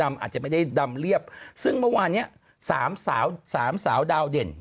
อาจจะไม่ได้ดำเรียบซึ่งเมื่อวานเนี้ยสามสาวสามสาวดาวเด่น